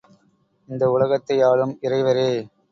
இந்த உலகத்தையாளும் இறைவரே!